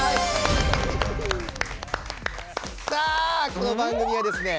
さあこの番組はですね